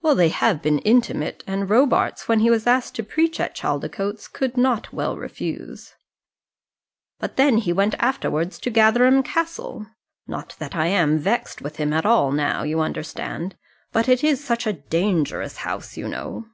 "Well, they have been intimate; and Robarts, when he was asked to preach at Chaldicotes, could not well refuse." "But then he went afterwards to Gatherum Castle. Not that I am vexed with him at all now, you understand. But it is such a dangerous house, you know."